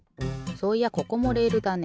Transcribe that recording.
そういやここもレールだね。